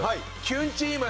キュンチーム。